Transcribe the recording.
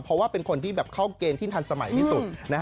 เพราะว่าเป็นคนที่เข้าเกณฑ์ที่ทันสมัยที่สุด